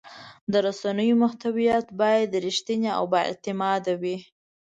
د رسنیو محتوا باید رښتینې او بااعتماده وي.